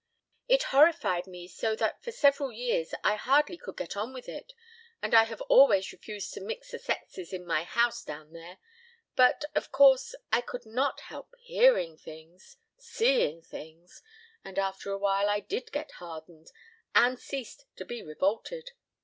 "It horrified me so that for several years I hardly could go on with it, and I have always refused to mix the sexes in my house down there, but, of course, I could not help hearing things seeing things and after a while I did get hardened and ceased to be revolted.